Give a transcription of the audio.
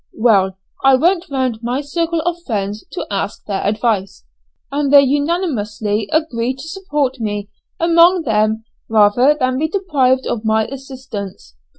Well, I went round my circle of friends to ask their advice, and they unanimously agreed to support me among them rather than be deprived of my assistance.